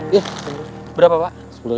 iya berapa pak